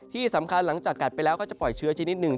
ที่สำคัญหลังจากกัดไปแล้วเขาจะปล่อยเชื้อชนิดหนึ่ง